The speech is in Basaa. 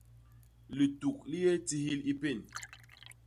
Lituk li yé tihil i pén.